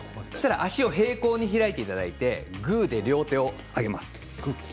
脚を平行に開いていただいてグーで両手を上げます。